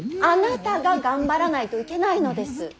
あなたが頑張らないといけないのです。